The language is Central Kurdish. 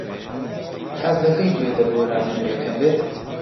حەز دەکەیت گوێت لە گۆرانییە نوێیەکەم بێت؟